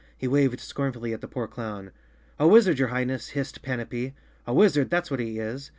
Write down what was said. He waved scornfully at the poor clown. "A wizard, your Highness!" hissed Panapee. "A wizard, that's what he is."